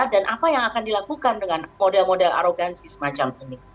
dan apa yang akan dilakukan dengan model model arogansi semacam ini